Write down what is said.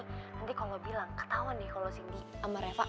nanti kalau bilang ketahuan deh kalau sindi sama reva